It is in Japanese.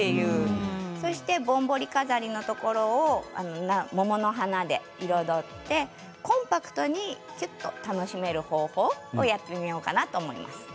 そしてぼんぼり飾りのところを桃の花で彩ってコンパクトにきゅっと楽しめる方法をやってみようかなと思います。